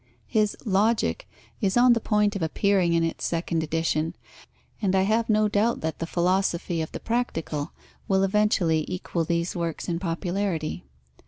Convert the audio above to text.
His Logic is on the point of appearing in its second edition, and I have no doubt that the Philosophy of the Practical will eventually equal these works in popularity.